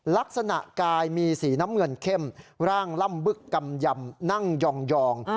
ลักษณะกายมีสีน้ำเงินเข้มร่างล่ำบึกกำยำนั่งยอง